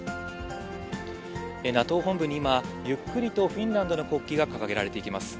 ＮＡＴＯ本部に今、ゆっくりとフィンランドの国旗が掲げられていきます。